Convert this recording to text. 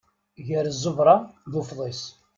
Gar ẓẓebra d ufḍis.